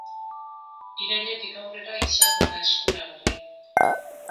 Irailetik aurrera izango da eskuragarri.